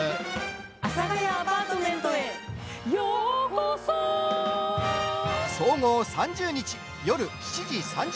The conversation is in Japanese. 阿佐ヶ谷アパートメントへようこそ！